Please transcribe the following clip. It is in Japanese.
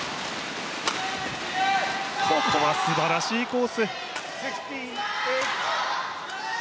ここはすばらしいコース。